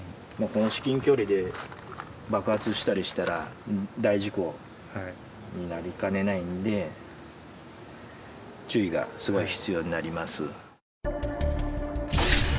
この至近距離で爆発したりしたら大事故になりかねないんで注意がすごい必要になります。